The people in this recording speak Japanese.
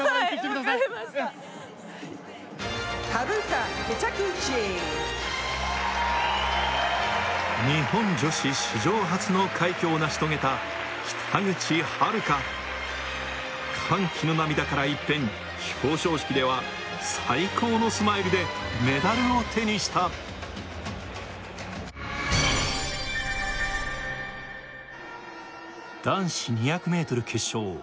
はい分かりましたＨａｒｕｋａＫｉｔａｇｕｃｈｉ日本女子史上初の快挙を成し遂げた北口榛花歓喜の涙から一変表彰式では最高のスマイルでメダルを手にした男子２００ｍ決勝